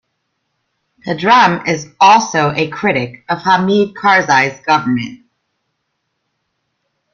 Pedram is also a critic of Hamid Karzai's government.